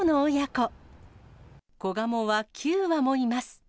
子ガモは９羽もいます。